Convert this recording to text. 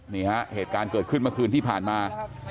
เหตุการณ์เกิดขึ้นเมื่อคืนที่ผ่านมา